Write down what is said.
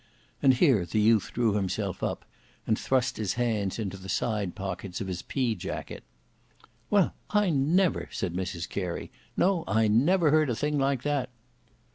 And here the youth drew himself up, and thrust his hands in the side pockets of his pea jacket. "Well, I never," said Mrs Carey. "No; I never heard a thing like that!"